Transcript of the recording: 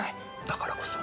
だからこそ。